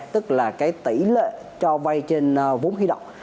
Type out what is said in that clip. tức là cái tỷ lệ cho vay trên vốn khí động